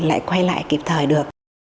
lại quay lại kịp thời được